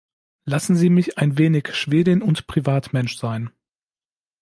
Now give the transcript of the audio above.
Lassen Sie mich ein wenig Schwedin und Privatmensch sein.